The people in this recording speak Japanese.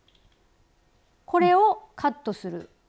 これをカットする。